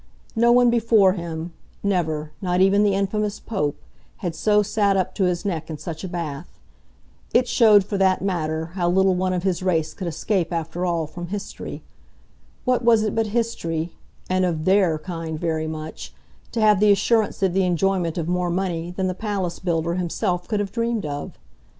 No one before him, never not even the infamous Pope had so sat up to his neck in such a bath. It showed, for that matter, how little one of his race could escape, after all, from history. What was it but history, and of THEIR kind very much, to have the assurance of the enjoyment of more money than the palace builder himself could have dreamed of?